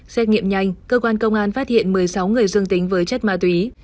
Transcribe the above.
xét nghiệm nhanh cơ quan công an phát hiện một mươi sáu người dương tính với chất ma túy